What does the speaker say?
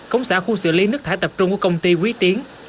cống xả khu xử lý nước thải tập trung của công ty quý tiến